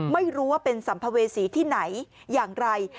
ไม่รู้ว่าเป็นสัมภเวษีที่ไหนอย่างไร